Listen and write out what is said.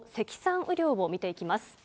雨量を見ていきます。